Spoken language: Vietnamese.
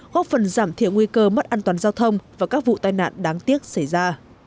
góp phần giảm thiểu nguy cơ mất an toàn giao thông và các vụ tai nạn đáng tiếc xảy ra